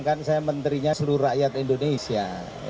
kan saya menterinya seluruh rakyat indonesia